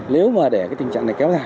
nếu mà để tình trạng này kéo dài